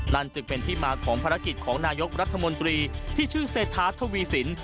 นั่นจึงเป็นที่มาของภารกิจของนายกรัฐมนตรีที่ชื่อเศรษฐาทวีสิน